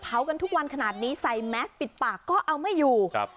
กันทุกวันขนาดนี้ใส่แมสปิดปากก็เอาไม่อยู่ครับ